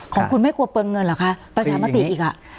ของคุณไม่กลัวเปลืองเงินเหรอคะประชามติอีกอ่ะ